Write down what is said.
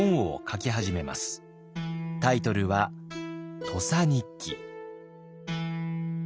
タイトルは「土佐日記」。